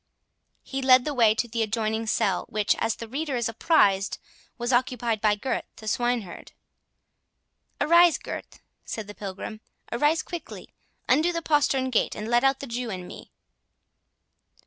He led the way to the adjoining cell, which, as the reader is apprised, was occupied by Gurth the swineherd.—"Arise, Gurth," said the Pilgrim, "arise quickly. Undo the postern gate, and let out the Jew and me."